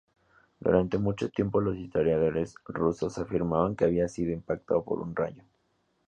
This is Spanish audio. Durante mucho tiempo los historiadores rusos afirmaban que había sido impactado por un rayo.